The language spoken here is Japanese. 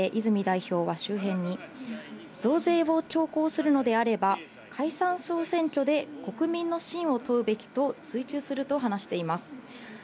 防衛増税について泉代表は、周辺に増税を強行するのであれば、解散総選挙で国民の信を問うべきと追及すると話しています。